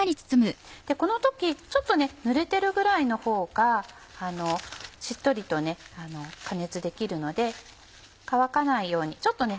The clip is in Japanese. この時ちょっとぬれてるぐらいのほうがしっとりとね加熱できるので乾かないようにちょっとね